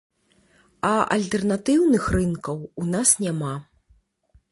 А альтэрнатыўных рынкаў у нас няма.